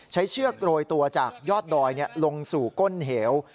เจ้ากรวยตัวจากยอดดอยลงสู่ก้นเหี่ยว